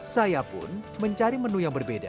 saya pun mencari menu yang berbeda